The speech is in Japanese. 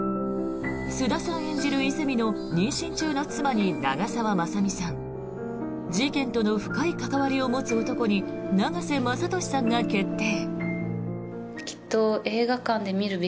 菅田さん演じる泉の妊娠中の妻に長澤まさみさん事件との深い関わりを持つ男に永瀬正敏さんが決定。